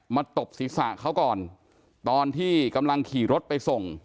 ตบศีรษะเขาก่อนตอนที่กำลังขี่รถไปส่ง